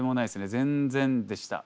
全然でした。